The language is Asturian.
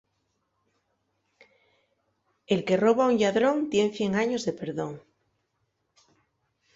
El que roba a un lladrón tien cien años de perdón.